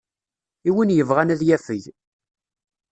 I win yebɣan ad yafeg.